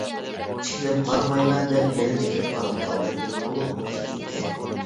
تىكىلىپ قارىمايمەن دەپ يەنە تىكىلىپ قاراپ قالدىم، بولۇپمۇ يىگىتكە.